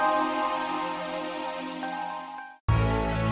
ya pak pak pakinya hilang betul